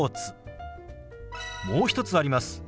もう一つあります。